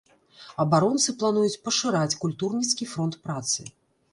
Абаронцы плануюць пашыраць культурніцкі фронт працы.